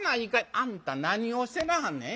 あんた何をしてなはんねん？